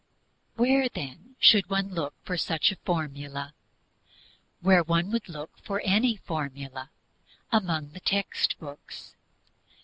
Where, then, shall one look for such a formula? Where one would look for any formula among the text books.